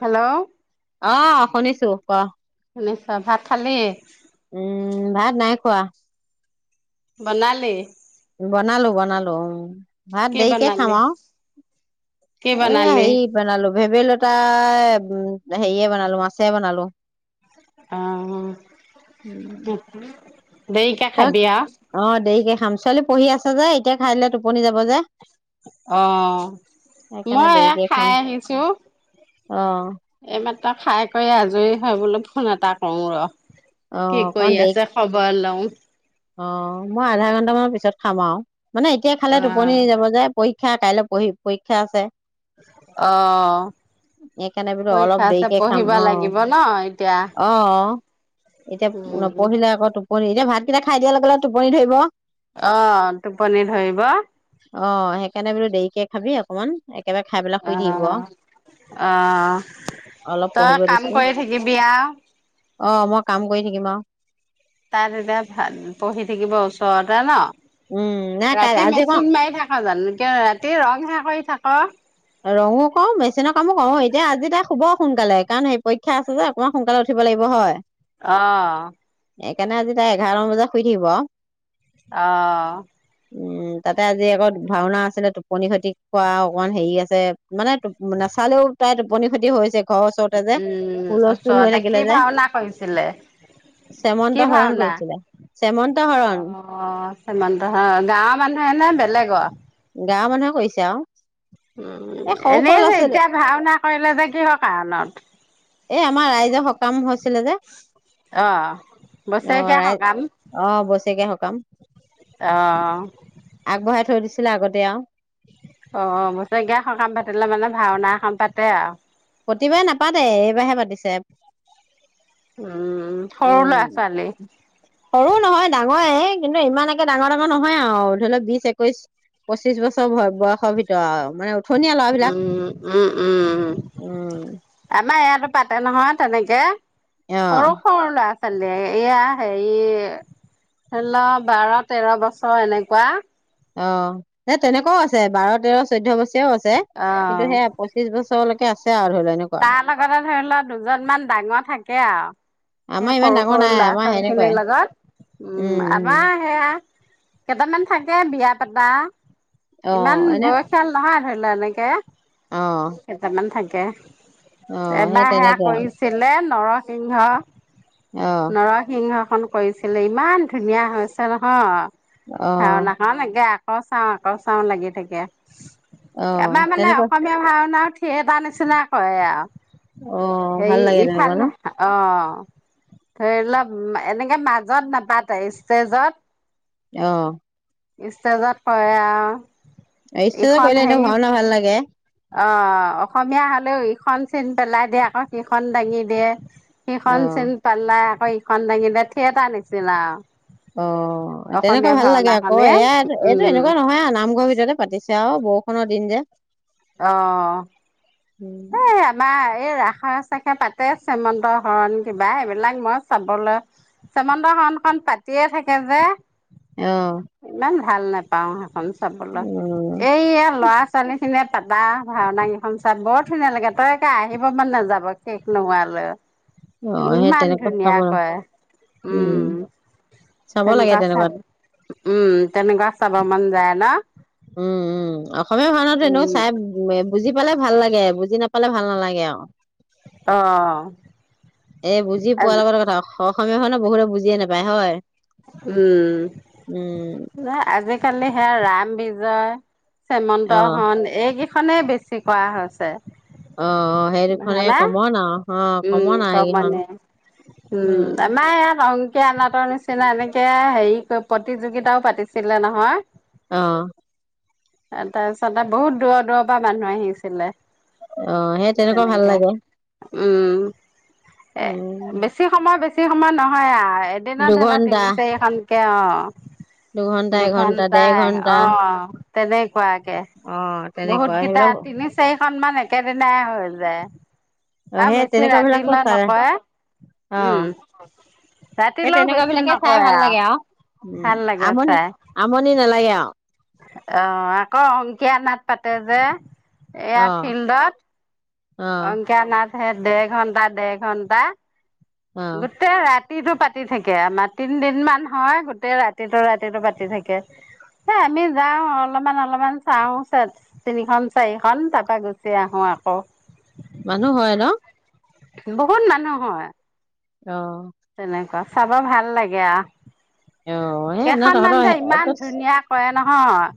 Hello. অ', শুনিছো ক। শুনিছে, ভাত খালি। উম, ভাত নাই খোৱা। বনালি? বনালো, বনালো, উম, ভাত কি দেৰিকে খাম বনালি আৰু। কি এ বনালি হৰি বনালো ভেদাই লতাই উম, হেৰিয়ে বনালো মাছে বনালো। আহ'। [unintelligible] ত, অ, দেৰিকে খাম। চালি পঢ়ি আছে যে, এতিয়া খাই দিলে টোপনি যাব যে। অহ, সেইকাৰণে মই এয়া খাই আহিছো। অহ '। এইমাত্ৰ খাই কৰি আজৰি হয় বোলে ফোন এটা কৰো ৰ। অ কি কৰি অকমান দেৰি আছে খবৰ লওঁ। অ, মই আধা ঘন্ট মানৰ পিছত খামা আৰু। মানে এতিয়া অ খালে টোপনি যাব যে। পৰীক্ষা ক্ষা কাইলৈ পঢ়ি পৰীক্ষা আছে। অ, সেইকাৰণে বোলো অলপ পৰীক্ষা আছে দেৰিকে খাম পঢ়িব অ লাগিব ন এতিয়া। অ অ এতিয়া উম নপঢ়িলে আকৌ টোপনি, এতিয়া ভাতকেইটা খাই দিয়াৰ লগে, লগে টোপনি ধৰিব। অ, টোপনি ধৰিব। কেনে বলো দেৰিকে খাবি অকমান। একেবাৰে খাই পেলাই শুই অ, থাকিব আৰু অ, অলপ তই পঢ়িব কাম দিছো কৰি থাকিবি আৰু অ', মই কাম কৰি থাকিম আৰু তাত এতিয়া ভ পঢ়ি থাকিব ওচৰতে ন উম নাই কাই ৰাতি আজি আকৌ মেচিন মাৰি থাকা জানো, কিয় ৰাতি ৰং সেই কৰি থাক ক' ৰঙো কও মেচিনৰ কামো কৰো, এতিয়া আজি তাই শুব সোনকালে কাৰণ সেই পৰীক্ষা আছে যে অকমান সোনকালে উঠিব লাগিব হয়। অহ। সেইকাৰণে আজি তাই এঘাৰ মান বজাত শুই থাকিব আৰু অহ। উম তাতে আজি আকৌ ভাওনা আছিলে, টোপনি ক্ষতি কৰোৱা অকণমান হেৰি আছে। মানে নাচালেও তাই টোপনি ক্ষতি হৈছে। ঘৰৰ ওচৰতে যে উম হুলস্থুল হৈ ওচৰতে থাকিলে কি যে ভাওনা কৰিছিলে শ্যামন্ত কি হৰণ ভাওনা কৰিছিলে শ্যামন্ত হৰণ অ গাঁৱৰ মানুহে নে বেলেগৰ, গাঁৱৰ মানুহে কছে আৰু উ এই সৰু সৰু এনেই ল'ৰা যে ছোৱালী এতিয়া ভাওনা কৰিলে যে কিহৰ এই আমাৰ কাৰণত ৰাইজৰ সকাম হৈছিলে যে আহ বছেৰেকীয়া সকাম, কাম আহ! ছিলে আগতে আৰু, অ' বছেৰেকীয়া সকাম পাতিলে মানে ভাওনা এখন পাতে আৰু প্ৰতিবাৰে নাপাতে এইবাৰহে পাতিছে। উম'। উম সৰু উম ল'ৰা-ছোৱালী। সৰু নহয় ডাঙৰে কিন্তু ইমানকে ডাঙৰ, ডাঙৰ নহয় আৰু ধৰি লওক বিশ, একৈশ, পঁচিশ বছৰ বয়সৰ ভিতৰত আৰু মানে উঠনীয়া ল'ৰাবিলাক উম- উম-উম-উম উম আমাৰ ই পাতে নহয় তেনেকে অ সৰু সৰু ল'ৰা এয়া হেৰি ধৰি লও বাৰ, তেৰ বছৰ এনেকুৱা অ' তেনেকুৱাও আছে বাৰ, তেৰ, চৈধ্য বছৰ। য়াও আছে কিন্তু অ'। সেয়া পঁচিশ বছৰলৈকে তে আছে। আৰু ধৰি লও এনেকুৱা তাৰ লগতে ধৰি লোৱা দুজন মান ডাঙৰ থাকে আৰু সেই আমাৰ ইমান সৰু ডাঙৰ সৰু নাই আমাৰ ল'ৰা-ছোৱালী সেনেকুৱাই খিনিৰ লগত উম আমাৰ সেয়া কেইটামান থাকে বিয়া পাতা অ ইমান এনে বয়সিয়াল নহয়। ধৰিলা এনেকে অ কেইটামান থাকে। তাকে অ সেই এবাৰ সেয়া তেনেকে কৰিছিলে নৰসিংহ অ নৰসিংহ খন কৰিছিলে ইমান ধুনীয়া হৈছে নহয়। অ ভাওনাখন একে আকৌ চাও, আকৌ চাও লাগি থাকে। অ আমাৰ মানে তেনেকুৱা অসমীয়া ভাওনা থিয়েটাৰ নিচিনা হয় অ আৰু ভাল সেই লাগে তেনেকুৱা ন ইফালে অ' ধৰি লওক এনেকে মাজত নাপাতে ষ্টেজত, আহ ষ্টেজত কৰে আৰু। ষ্টেজত ইখন কৰিলে এনেও হেই, ভাওনা ভাল লাগে অ' অসমীয়া ইখন চিন পেলাই দিয়ে। আকৌ সিখন দাঙি দিয়ে। অ সেইখন চীন পাল্লা আকৌ ইখন দিয়ে। থিয়েটাৰ নিছিনা আৰু। অ' তেনেকুৱা অসমীয়া ভাল লাগে আকৌ। ভাওনাখনে এয়া এইটো উম এনেকুৱা নহয় আৰু নামঘৰ ভিতৰতে পাতিছে চাও বৰষুণৰ দিন যে। অ', উম এ' আমাৰ এই ৰাস চাখে পাতে চেমন্ত হৰণ কিবা এইবিলাক, মই চাবলৈ চেমন্ত হৰণখন পাতিয়ে থাকে যে অ'। ইমান ভাল নাপাও সেইখন চাবলৈ, উম এই ল'ৰা ছোৱালী খিনিয়ে চাব। ভাওনা কিখন চাই বৰ ধুনীয়া লাগে পাই। তই একে আহিব মন নাযাব শেষ নোহোৱালৈ। অ', সেই ইমান তেনেকুৱা ধুনীয়া চাব, কয়। [unintelligible] উম, চাব লাগে তেনেকুৱা চাব তেনেকুৱাত। উম, তেনেকোৱা চাব মন যায় ন? উম, উম। অসমীয়া ভাওনাটো এনেও উম চাই বুজি পালে ভাল লাগে, বুজি নাপালে ভাল নালাগে আৰু। অ এ' বুজি পোৱাৰ লগতে কথা [unintelligible] অসমীয়া ভাওনা বহুতে বুজিয়ে নাপায় হয়। উম, উম ন আজি কালি সেয়া ৰাম বিজয় অ চেমন্ত হন এই কি খনে বেছি কৰা হৈছে। অ', সেই দুখনে হয়নে কমন আৰু, অ' উম কমন আৰু সেইকিখন। কমনে উম। কিয় নাটৰ নি নিচিনা এনেকে হেৰি কৰি প্ৰতিযোগিতাও পাতিছিলে নহয়। অহ'। তাৰপিছতে বহুত দূৰৰ, দূৰৰ পৰা মানুহ আহিছিলে। অ', সেই তেনেকুৱা ভাল তেনেকে লাগে। উম। এ' উম বেছি সময় বেছি বেছি সময় নহয় আ' এদিনা ধলত দুঘন্টা তিনি চাৰিখনকে, অ' দুঘন্টা এঘন্টা ডেৰ দুখনটাই ঘন্টা অ' তেনেকুৱাকে অ বহুত তেনেকুৱা কেইটা সেইবিলাক অ তিনি চাৰি সন্মান একেদিনাই হৈ যায়। আৰু সেই বেছি তেনেকুৱা বিলাকো ৰাতিলৈ চাই নকয়, অ উম সেই ৰাতিলৈও তেনেকুৱা বেছি বিলাকে নক ক চাই ভাল লাগে আও উম ভাল লাগে আমনি চাই, আমনি নালাগে আও অ' আকৌ অংকীয়া নাট পাতে যে অ এয়া ফিল্ডত, অ অংকিয়া নাট সে দেৰ ঘণ্টা, দেৰ ঘণ্টা অ গোটেই ৰাতি ৰাতিটো পাতি থাকে। আমাৰ তিনদিন মান হয় গোটেই ৰাতিটো ৰাতিটো পাতি থাকে এ আমি যাও অলপমান অলপমান চাওঁ চ তিনিখনন চাৰিখনন তাৰপা গুচি আহো আকৌ। মানুহ হয় ন? বহুত মানুহ হয়। অ' তেনেকুৱা চাব ভাল লাগে আ অ সেই ন কেইখন মান যে ইমান তহঁতৰ ধুনীয়া কৰে নহয়, অ'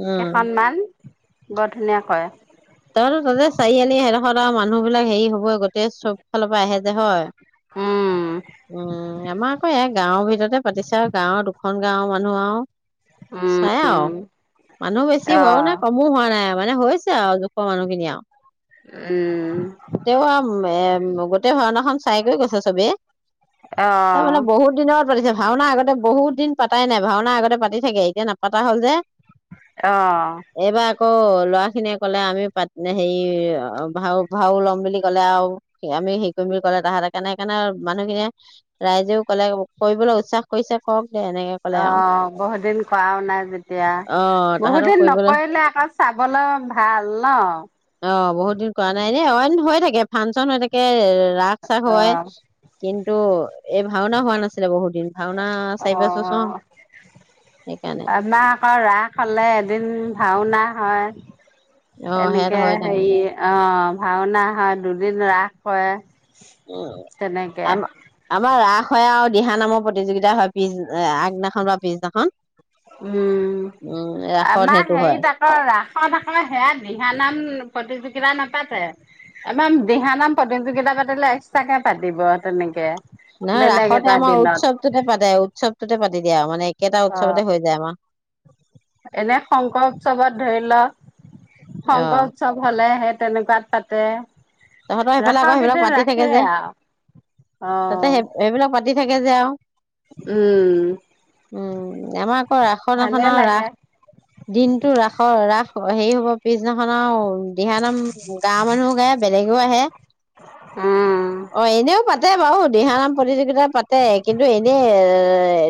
উম কেইখনমান বৰ ধুনীয়া, হয়, তাৰ তাতে চাৰিআলি হেইদসৰত আৰু মানুহ বিলাক হেৰি হ'ব তে চব ফালৰ পৰা আহে যে হয়উম উম আমাৰ আকৌ ই গাঁৱৰ ভিতৰতে পাতিছে আৰু গাঁৱৰ দুখন গাঁওৰ মানুহ আৰু উম চাই আৰু, মানুহ বেছি অ হৱাও নাই কমো হোৱা নাই। মানে হৈছে আৰু, পোৱা মানুহখিনি আৰু, উম তেওঁ আৰু এ গোটেই ভওনাখন চাই গৈ গৈছ চবে, অ তাৰ মানে বহুত দিনত পাতিছে ভাওনা আগতে বহুত দিন পাতাই নাই ভাওনা আগতে পাতি থাকে, এতিয়া নাপাতা হ'ল যে। অ' অ' ল'ৰা খিনিয়ে ক'লে আমি পা হেৰি অ ভা ভাও লম বুলি কলে আৰু আমি হেই কৰিম বুলি কলে তাহাঁ কাৰণে সেইকাৰণে মানুহখিনিয়ে ৰাইজেও কলে কৰিবলৈ উচ্চহ কৰিছে কৰক। দে এনেকে ক'লে আৰু অ' বহুত দিন কৰাও নাই অ যেতিয়া, বহুত তাহাঁতক দিন কৰিবলৈ নকৰিলে আকৌ চাবলৈ ভাল ন। অ, বহুত দিন কৰা নাই নি। অইন হৈয়ে থাকে ফাংচন হৈ থাকে ৰাস চাক অ হয়। কিন্তু এই ভাওনা হোৱা নাছিলে বহুত দিন ভাওনা চাৰি পাঁচ বছৰ অহ, সেইকাৰণে আমাহ আকৌ ৰাস হলে এদিন ভাওনা হয়। অ সেয়াত এনেকে হয় থাকে হেৰি অ, ভাওনা হয়। দুদিন ৰাস কৰে উম, তেনেকে আম আমাৰ ৰাস হয় আৰু দিহা নামৰ প্ৰতিযোগিতা হয় পিছ আগদিনাখন বা পিছদিনাখন উম, উম ৰাসত আমাৰ সেইটো হয় হেৰিত আকৌ ৰাসত আকৌ সেয়া দিহানাম প্ৰতিযোগিতা নাপাতে আমাৰ দিহানাম প্ৰতিযোগিতা পাতিলে এক্সট্ৰাকে পাতিব তেনেকে। নাই বেলেগ ৰাসতে এটা আমাৰ দিনত উৎসৱটোতে পাতে উৎসৱ টোতে পাতি দিয়া মানে কেইটা অ'। উৎসৱতে হৈ যায় আমাৰ। এনে শংকৰ উৎসৱত ধৰি লওঁ অ শংকৰ উৎসৱ হ'লে হে তেনেকুৱাত পাতে। তহঁতৰ সেইফালে আকৌ ৰাসৰ সেইবিলাক কেইদিন পাতি থাকে ৰাখেই যে, আৰু তাতে অ', সেই সেইবিলাক পাতি থাকে কে যেও উম। উম, আমাৰ আকৌ ভালে ৰাসনাখনা ৰাস লাগে দিনটো ৰাসৰ ৰাস অ', হেৰি হ'ব। পিছদিনাখন আৰু দিহানাম গাঁৱৰ মানুহ গায় বেলেগও আহে উম, অ', এনেও পাতে আৰু দিহানাম প্ৰতিযোগিতা পাতে কিন্তু এনেই এ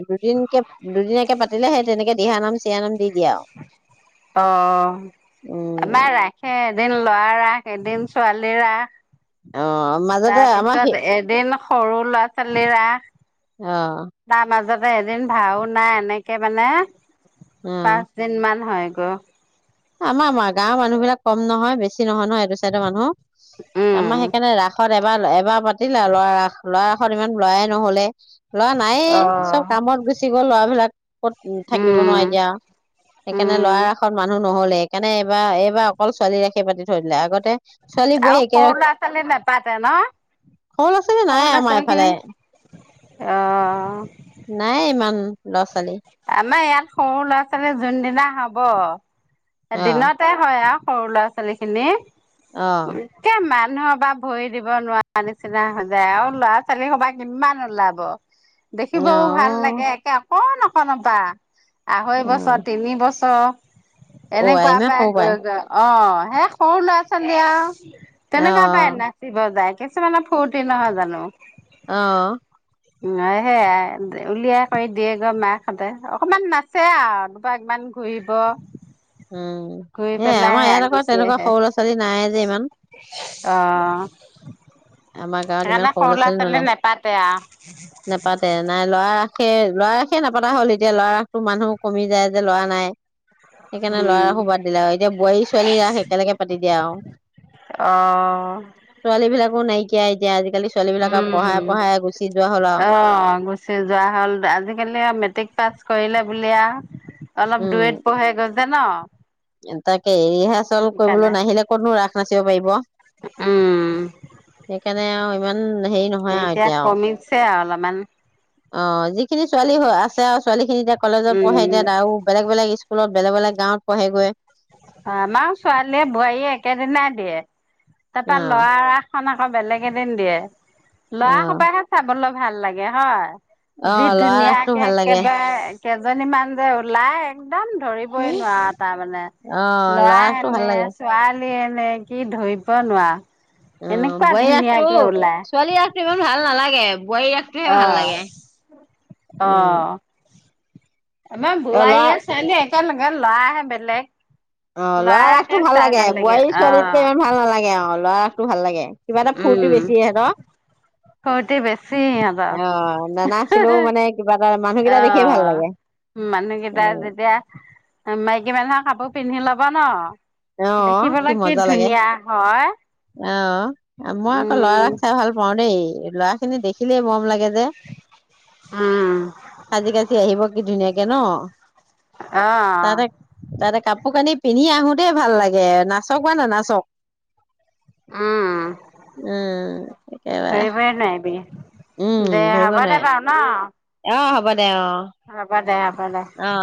দুদিনকে দুদিনিয়াকে পাতিলে সেই তেনেকে দিহা নাম চি দিহা নাম দি দিয়ে আৰু অহ, উম আমাৰ ৰাখে এদিন লৰা, এদিন ছোৱালীৰ ৰাস অ মাজতে আমাৰ সি তাৰপিছত এদিন সৰু ল'ৰা-ছোৱালীৰ ৰস। আহ'। এদিন ভাওনা এনেকে মানে পাঁচ অ' দিন মান হয়। [unintelligible] আমাৰ আমাৰ গাঁৱৰ মানুহ বিলাক কম নহয় বেছি নহয় নহয় এটো চাইডৰ মানুহ উম। আমাৰ সেইকাৰণে ৰাসত এ এবাৰ এবাৰ পাতিলে আৰু লৰা ৰাস, লৰা ৰাসত ইমান লৰাই নহলে লআ নাই চব অ'। কামত গুচি ল'ৰাবিলাক ক'ত উ থাকিব উম, নোৱাৰি এতিয়া সেইকাৰণে উম লৰাৰ ৰাসত মানুহ নহলে সেইকাৰণে এইবাৰ এইবাৰ অকল ছোৱালী ৰাসে পাতি থৈ দিলে আগতে ছোৱালী বোৱাৰী আৰু একে সৰু ল'ৰা ছোৱালী নেপাতে ন সৰু ল'ৰা ছোৱালী নাই সৰু ল'ৰা আমাৰ ছোৱালী এইফালে, খিনি অ নাই ইমান ল'ৰা ছোৱালী। আমাৰ ইয়াত সৰু ল'ৰা ছোৱালী যোনদিনা হব ব অ' দিনতে হয় আৰু সৰু ল'ৰা -ছোৱালীখিনি অ' উম কে মান মানুহৰ পৰা ভৰি দিব নোৱাৰা নিচিনা হৈ যায় আও ল'ৰা- ছোৱালী স বা কিমান ওলাব দেখিবও ভাল অ' লাগে একে কণ অকন পা আঢ়ৈ বছৰ অ' তিনি বছৰ অ' আই এনেকুৱা ইমান সৰু পাই গৈ গ অ হে সৰু ল'ৰা ছোৱালী আৰু তেনেকা পায় অ' নাচিব যায় কিছুমানৰ ফুৰ্তি নহয় জানো অ'। উম এ হেয়াই উলিওৱা কৰি দিয়েগৈ মাক সঁতে অকমান নাচে আও দুপাকমান ঘূৰিব উম ঘূৰি সেয়া পেলাই আমাৰ সে ইয়াত আকৌ গুচি তেনেকুৱা আহে সৰু ল'ৰা ছোৱালী নাই যে ইমান অ আমাৰ গাঁৱত ইমান সেইকাৰণে সৰু ল'ৰা ছোৱালী নোলায় নেপাতে আহ তাক হেই, লৰা ৰাসে নাপাতা হ'ল এতিয়া লৰা ৰাসটো মানুহ কমি যায় যে লৰা নাই সেইকাৰণে ল'ৰা উম ৰাসো বাদ দিলে আৰু এতিয়া বোৱাৰী ছোৱালী ৰাস একেলগে পাতি দিয়া আৰু অ ছোৱালী বিলাক অ নাইকি এতিয়া আজি উম হ'ল আৰু অ গুচি যোৱা হ'ল আজিকালি মেট্ৰিক পাছ কৰিলে বুলি আও অলপ দুয়েত পহে গৈ [unintelligible] [unintelligible] এ ৰিহাৰ্চেল কৰিবলৈ সেইকাৰণে নাহিলে ক'তনো ৰাস নাচিব পাৰিব। উম সেইকাৰণে আৰু ইমান হেৰি নহয় আৰু এতিয়া আৰু। ইমান অ', যিখিনি ছোৱালী হৈ আছে আৰু ছোৱালীখিনি এতিয়া কলেজত পঢ়ে উম এতিয়া আৰু বেলেগ বেলেগ স্কু স্কুলত বেলেগ বেলেগ গাঁৱত পঢ়েগৈ। আমাৰ ছোৱালীয়ে বোৱাৰীয়ে একেদিনাই দিয়ে। তাৰ অ পৰা ল'ৰাৰ ৰাসখন আ অ', বেলেগ এদিন দিয়ে। অ ল'ৰাসোপাহে চাবলৈ ভাল লাগে হয়। অ যি ল'ৰা ৰাসটো ধুনীয়াকে ভাল লাগে একেবাৰে কেইজনীমান যে ওলাই একদম ধৰিবই উম নোৱাৰা তাৰ মানে। অ ল'ৰা ল'ৰায়ে ৰাসটো ভাল নে লাগে ছোৱালী। এনে কি ধৰিব নোৱাৰা। অ', এনেকুৱা বোৱাৰী ৰাসটো ধুনীয়াকে ওলাই ছোৱালী ৰাসটো ইমান ভাল নালাগে। বোৱাৰী ৰাসটোহে অ ভাল লাগে। উম অ', আমাৰ অ ল'ৰা বোৱাৰী আৰু ছোৱালীয়ে [unintelligible] ল'ৰাই হে বেলেগ। অ' ল'ৰা ল'ৰাকে ৰাসটো ভাল চাই লাগে, বোৱাৰী ছোৱালীৰটো অ ইমান ভাল নালাগে আৰু ল'ৰা ভাল লাগে। কিবা এটা ফুৰ্তি উম বেছি আহে ন? ফূৰ্তি বেছি সিহঁতৰ অ' নানাছিলেও মানে কিবা এটা মানুহকেইটা দেখিয়ে ভাল অ' লাগে মানুহকেইটা যেতিয়া, মাইকী মানুহক কাপোৰ পিন্ধি লব ন। অঁ, কি দেখিবলৈ মজা লাগে ধুনীয়া হয় অঁ, মই আকৌ লৰা উম। ৰাসহে চাই ভাল পাও দেই। ল'ৰা খিনি দেখিলে মৰম লাগে যে উম সাজি কাজি আহিব কি ধুনীয়াকে ন? তাতে অঁ। তাতে কাপোৰ কানি পিন্ধি আহো দেই ভাল লাগে, নাচক বা নানাচক। উম, উম একেবাৰে ধৰিবই নোৱাৰিবি। উম দে ধৰিব হ'ব নোৱাৰে দে বাৰু ন। অ' হ'ব দে অ হ'ব দে। দে। অ'।